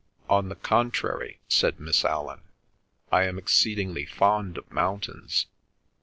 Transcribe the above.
"On the contrary," said Miss Allan, "I am exceedingly fond of mountains."